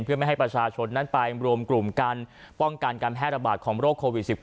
เพื่อไม่ให้ประชาชนนั้นไปรวมกลุ่มกันป้องกันการแพร่ระบาดของโรคโควิด๑๙